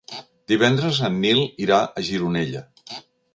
Divendres en Nil irà a Gironella.